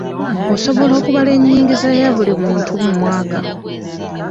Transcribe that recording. Osobola okubala enyingiza ya buli muntu mu mwaka?